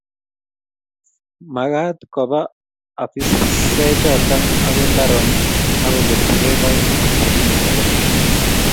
Magat koba afisaechoto agoi mbaronik agokerchikei koimutik chebunei kobotik